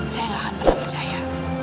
saya gak akan pernah percaya